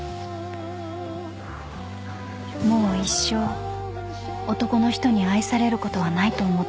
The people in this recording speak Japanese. ［もう一生男の人に愛されることはないと思っていました］